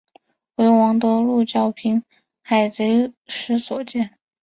为王得禄剿平海贼时所建。